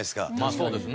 そうですね。